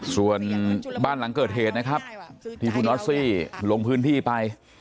ส่วนบ้านหลังเกิดเหตุนะครับที่คุณออสซี่ลงพื้นที่ไป